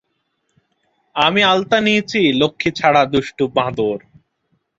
-আমি আলতা নিইচি, লক্ষ্মীছাড়া দুষ্ট বাঁদর!